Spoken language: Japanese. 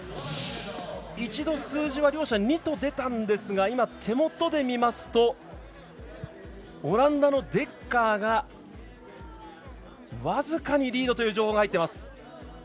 一度、数字は両者、２と出たんですが今、手元で見ますとオランダのデッカーが僅かにリードという情報が入っています。